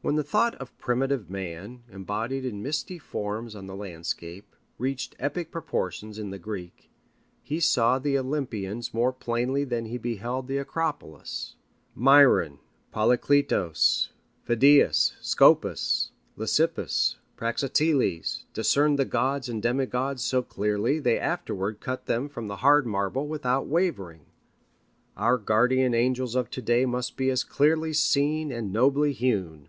When the thought of primitive man, embodied in misty forms on the landscape, reached epic proportions in the Greek, he saw the Olympians more plainly than he beheld the Acropolis. Myron, Polykleitos, Phidias, Scopas, Lysippus, Praxiteles, discerned the gods and demigods so clearly they afterward cut them from the hard marble without wavering. Our guardian angels of to day must be as clearly seen and nobly hewn.